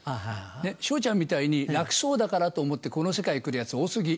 昇ちゃんみたいに楽そうだからと思ってこの世界来るヤツ多過ぎ。